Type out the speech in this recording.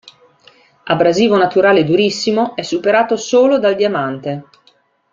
Abrasivo naturale durissimo, è superato solo dal diamante.